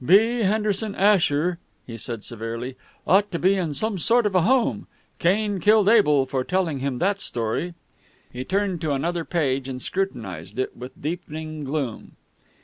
"B. Henderson Asher," he said severely, "ought to be in some sort of a home. Cain killed Abel for telling him that story." He turned to another page, and scrutinized it with deepening gloom.